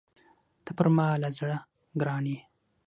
ته پر ما له زړه ګران يې!